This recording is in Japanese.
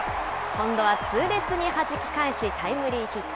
今度は痛烈にはじき返し、タイムリーヒット。